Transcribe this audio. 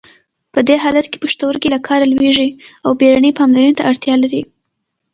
په دې حالت کې پښتورګي له کاره لویږي او بیړنۍ پاملرنې ته اړتیا لري.